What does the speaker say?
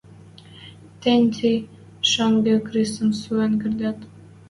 Тӹнь ти шонгы крисӹм суен кердӓт.